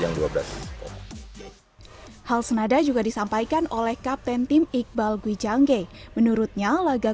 yang dua belas hal senada juga disampaikan oleh kapten tim iqbal gwijangge menurutnya laga